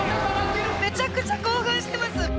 めちゃくちゃ興奮してます！